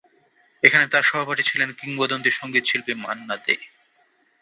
এখানে তাঁর সহপাঠী ছিলেন কিংবদন্তি সঙ্গীতশিল্পী মান্না দে।